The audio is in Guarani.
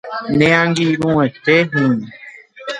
Ne angirũete hína.